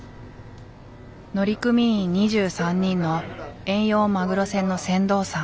乗組員２３人の遠洋マグロ船の船頭さん。